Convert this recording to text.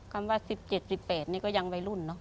คำว่า๑๗๑๘นี่ก็ยังวัยรุ่นเนอะ